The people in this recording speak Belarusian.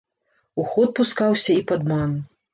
У ход пускаўся і падман.